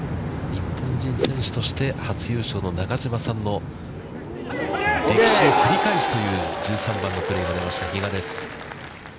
日本人選手として初優勝の中嶋さんの歴史を繰り返すという１３番のプレーがありました、比嘉です。